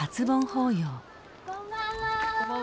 こんばんは。